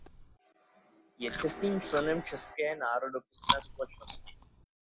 Je čestným členem České národopisné společnosti.